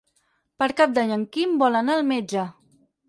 Per Cap d'Any en Quim vol anar al metge.